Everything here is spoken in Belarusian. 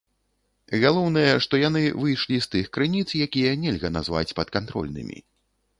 Галоўнае, што яны выйшлі з тых крыніц, якія нельга назваць падкантрольнымі.